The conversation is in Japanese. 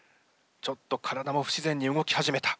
ちょっと体も不自然に動き始めた。